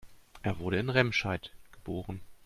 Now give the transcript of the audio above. Er wurde in Remscheid geboren